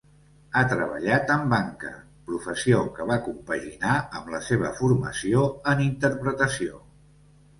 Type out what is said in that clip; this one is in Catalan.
Ha treballat en banca, professió que va compaginar amb la seva formació en interpretació.